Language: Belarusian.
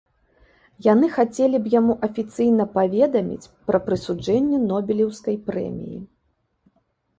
Яны хацелі б яму афіцыйна паведаміць пра прысуджэнне нобелеўскай прэміі.